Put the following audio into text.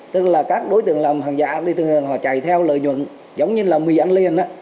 tức là các đối tượng làm hàng giả thì thường họ chạy theo lợi nhuận giống như là mì ăn liền